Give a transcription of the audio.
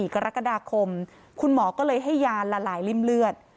กรกฎาคมคุณหมอก็เลยให้ยาละลายริ่มเลือด